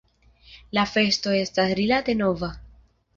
La festo estas rilate nova.